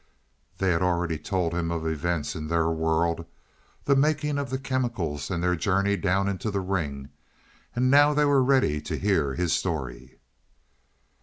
They had already told him of events in their world, the making of the chemicals and their journey down into the ring, and now they were ready to hear his story.